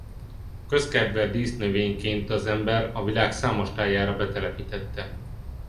Közkedvelt dísznövényként az ember a világ számos tájára betelepítette.